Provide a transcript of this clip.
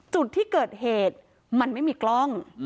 จุดที่เกิดเหตุมันไม่มีกล้อง